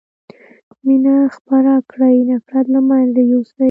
مينه خپره کړي نفرت له منځه يوسئ